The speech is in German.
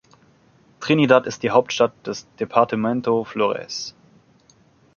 Trinidad ist die Hauptstadt des Departamento Flores.